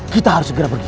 kita harus segera pergi